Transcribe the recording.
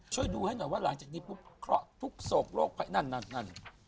ช่วยดูให้หน่อยว่าหลังจากนี้ทุกโศกโลกภัยนั่น